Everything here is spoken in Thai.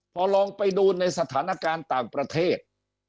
พอลองไปดูในสถานการณ์ต่างประเทศ